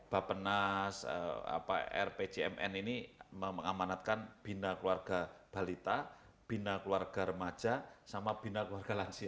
bapenas rpjmn ini mengamanatkan bina keluarga balita bina keluarga remaja sama bina keluarga lansia